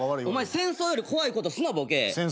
お前戦争より怖いことすなボケ。